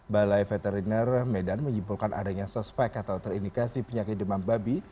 balai veteriner medan menyimpulkan adanya suspek atau terindikasi penyakit demam babi